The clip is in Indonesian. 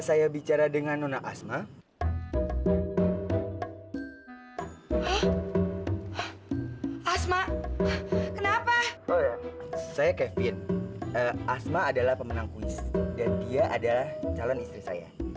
saya kevin asma adalah pemenang kuis dan dia adalah calon istri saya